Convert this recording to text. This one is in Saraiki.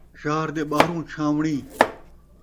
شہر دے ٻاہروں چھاوݨی